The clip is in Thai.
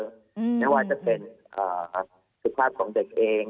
ไม่ว่าจะเป็นสุภาพของเด็กเอง